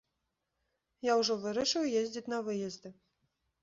Я ўжо вырашыў ездзіць на выезды.